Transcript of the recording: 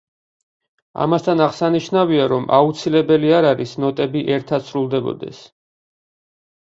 ამასთან აღსანიშნავია, რომ აუცილებელი არ არის, ნოტები ერთად სრულდებოდეს.